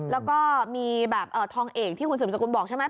แล้วก็มีแบบทองเอกที่คุณสืบสกุลบอกใช่ไหม